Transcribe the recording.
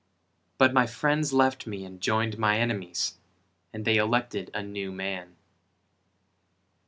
But my friends left me and joined my enemies, And they elected a new man.